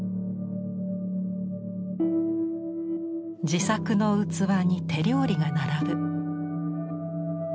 自作の器に手料理が並ぶ。